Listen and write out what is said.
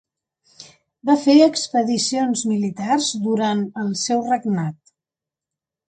Va fer expedicions militars durant el seu regnat.